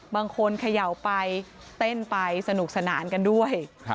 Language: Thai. เขย่าไปเต้นไปสนุกสนานกันด้วย